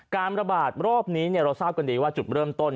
การระบาดรอบนี้เราทราบกันดีว่าจุดเริ่มต้น